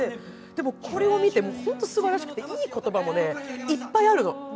でもこれを見て、ホントすばらしくて、いい言葉もいっぱいあるの。